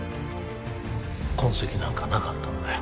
痕跡なんかなかったんだよ